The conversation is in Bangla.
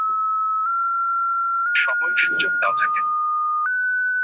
সময়সুযোগ দাও তাকে।